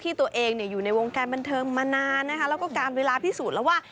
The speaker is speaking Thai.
ตัวเองอยู่ในวงการบันเทิงมานานนะคะแล้วก็การเวลาพิสูจน์แล้วว่า